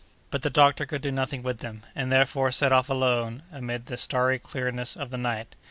But the doctor could do nothing with them, and, therefore, set off alone, amid the starry clearness of the night.